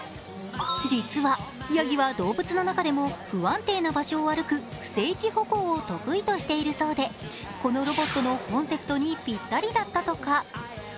実は、ヤギは動物の中でも不安定な場所を歩く不整地歩行を得意としているそうで、このロボットのコンセプトにぴったりだったとか。